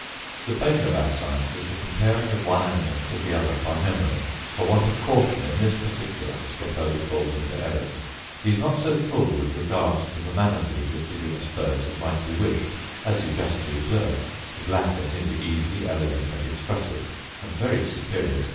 The bane of our science is the comparing one animal to the other by memory: for want of caution in this particular, Scopoli falls into errors: he is not so full with regard to the manners of his indigenous birds as might be wished, as you justly observe: his Latin is easy, elegant, and expressive, and very superior to Kramer's.